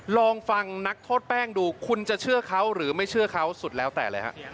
ลองฟังนักโทษแป้งดูคุณจะเชื่อเขาหรือไม่เชื่อเขาสุดแล้วแต่เลยฮะ